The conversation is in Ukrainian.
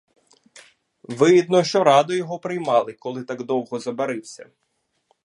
Видно, що радо його приймали, коли так довго забарився.